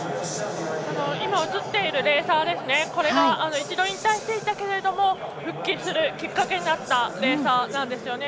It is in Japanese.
今映っているレーサーが一度引退したけれども復帰するきっかけになったレーサーなんですよね。